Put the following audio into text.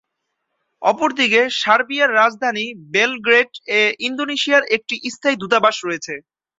অপরদিকে সার্বিয়ার রাজধানী বেলগ্রেড এ ইন্দোনেশিয়ার একটি স্থায়ী দূতাবাস রয়েছে।